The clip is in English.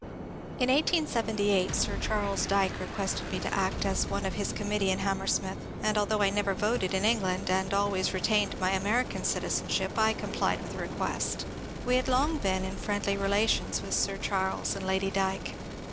In 1878 Sir Charles Dilke requested me to act as one of his committee in Hammersmith, and although I never voted in England, and always retained my American citizenship, I complied with the request* We had long been in friendly relations with Sir Charles and Lady Dilke.